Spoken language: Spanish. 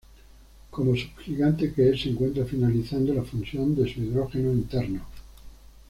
Como subgigante que es, se encuentra finalizando la fusión de su hidrógeno interno.